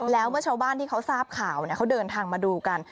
แล้วเมื่อชาวบ้านที่เขาทราบข่าวเขาเดินทางมาดูกัน